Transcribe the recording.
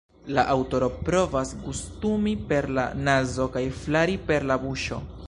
La aŭtoro provas gustumi per la nazo kaj flari per la buŝo.